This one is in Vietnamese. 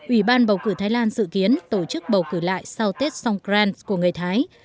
ủy ban bầu cử thái lan dự kiến tổ chức bầu cử lại sau tết songkran của người thái